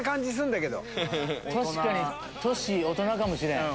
確かに大人かもしれん。